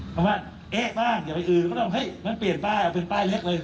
บอกว่าเอ๊ะบ้างอย่าไปอื่นมันเปลี่ยนป้ายเอาเป็นป้ายเล็กเลย